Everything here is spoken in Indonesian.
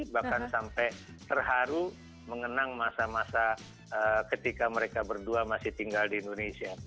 bahkan sampai terharu mengenang masa masa ketika mereka berdua masih tinggal di indonesia